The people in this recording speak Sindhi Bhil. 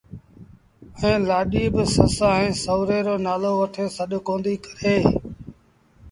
ائيٚݩ لآڏيٚ بآ سس ائيٚݩ سُوري رو نآلو وٺي سڏ ڪونديٚ ڪري